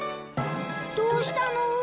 どうしたの？